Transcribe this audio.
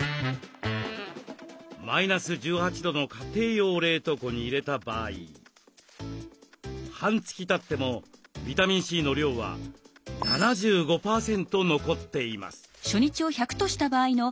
マイナス１８度の家庭用冷凍庫に入れた場合半月たってもビタミンＣの量は７５％残っています。